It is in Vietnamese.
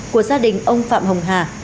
của gia đình ông phạm hồng hà